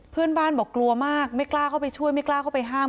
เพื่อนบ้านบอกกลัวมากไม่กล้าเข้าไปช่วยไม่กล้าเข้าไปห้าม